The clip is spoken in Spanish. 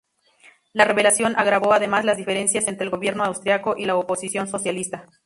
La revelación agravó además las diferencias entre el Gobierno austriaco y la oposición socialista.